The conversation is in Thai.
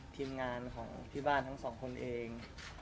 ทีมงานของที่บ้านทั้งสองคนเอง